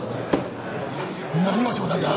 何の冗談だ。